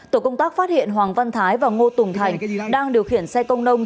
tổ công tác phát hiện hoàng văn thái và ngô tùng thành đang điều khiển xe công nông